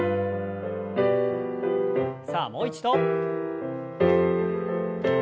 さあもう一度。